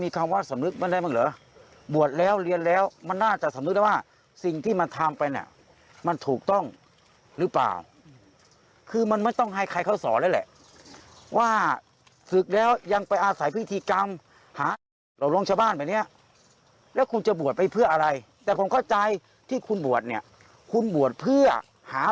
ข้ามที่๒ของโรงพระสัมมาสมัดเจ้า